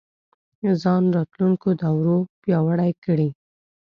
ځان راتلونکو دورو پیاوړی کړي